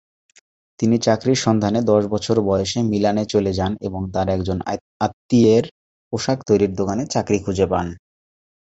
তিনি চাকরির সন্ধানে দশ বছর বয়সে মিলানে চলে যান এবং তার একজন আত্মীয়ের পোশাক তৈরির দোকানে চাকরি খুঁজে পান।